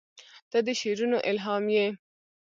• ته د شعرونو الهام یې.